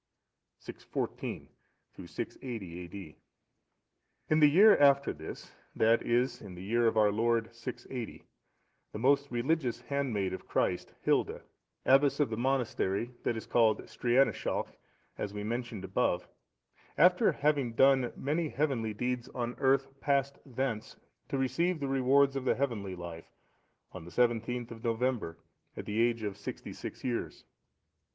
[614 680 A.D.] In the year after this, that is the year of our Lord 680, the most religious handmaid of Christ, Hilda,(681) abbess of the monastery that is called Streanaeshalch,(682) as we mentioned above, after having done many heavenly deeds on earth, passed thence to receive the rewards of the heavenly life, on the 17th of November, at the age of sixty six years.